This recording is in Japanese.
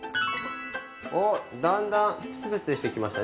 おっだんだんプツプツしてきましたね。